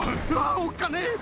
おっかねえ！